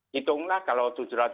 hitunglah kalau tujuh ratus lima puluh